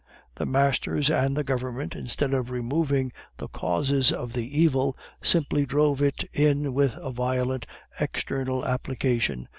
The masters and the government, instead of removing the causes of the evil, simply drove it in with a violent external application.